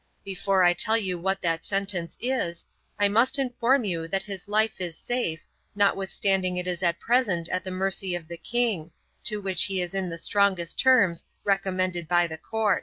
Before I tell you what that sentence is, I must inform you that his life is safe, notwithstanding it is at present at the mercy of the king, to which he is in the strongest terms recommended by the Court.